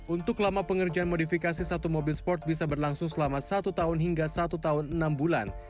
untuk lama pengerjaan modifikasi satu mobil sport bisa berlangsung selama satu tahun hingga satu tahun enam bulan